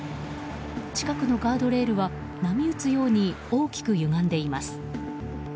近くのガードレールは波打つように大きくゆがんでいます。